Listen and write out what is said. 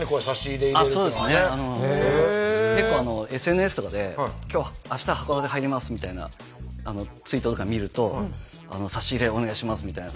結構ＳＮＳとかで「明日函館入ります」みたいなツイートとか見ると「差し入れお願いします」みたいな。